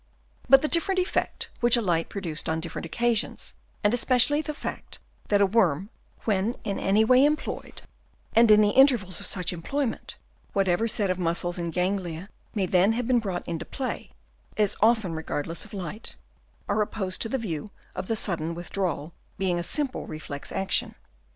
But the different effect which a light produced on different occasions, and especially the fact that a worm when in any way employed and in the intervals of such employment, whatever set of muscles and ganglia may then have been brought into play, is often regardless of light, are opposed to the view of the sudden withdrawal being a simple reflex action.